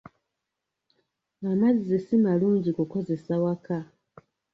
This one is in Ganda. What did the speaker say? Amazzi si malungi kukozesa waka.